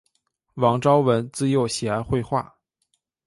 王朝闻自幼喜爱绘画。